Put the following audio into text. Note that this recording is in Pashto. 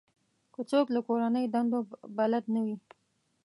که څوک له کورنۍ دندو بلد نه وي.